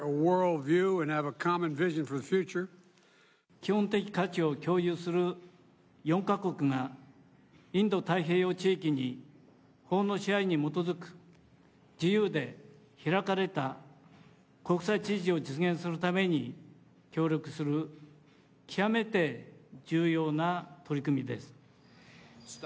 基本的価値を共有する４か国が、インド太平洋地域に法の支配に基づく自由で開かれた国際秩序を実現するために協力する、極めて重要な取り組みです。